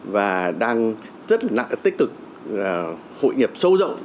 và đang rất tích cực hội nhập sâu rộng